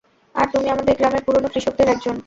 আর তুমি আমাদের গ্রামের পুরোনো কৃষকদের একজন।